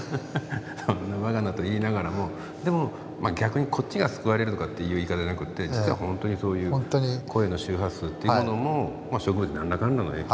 「そんなバカな」と言いながらもでも逆にこっちが救われるとかって言い方じゃなくて実はほんとに声の周波数っていうものも植物に何らかんらの影響をしている。